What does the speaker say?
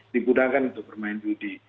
digunakan untuk bermain judi